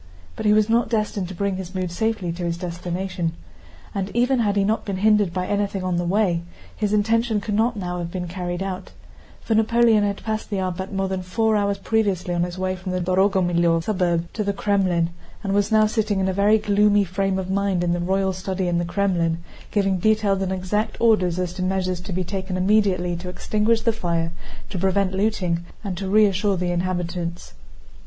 But he was not destined to bring his mood safely to his destination. And even had he not been hindered by anything on the way, his intention could not now have been carried out, for Napoleon had passed the Arbát more than four hours previously on his way from the Dorogomílov suburb to the Krémlin, and was now sitting in a very gloomy frame of mind in a royal study in the Krémlin, giving detailed and exact orders as to measures to be taken immediately to extinguish the fire, to prevent looting, and to reassure the inhabitants.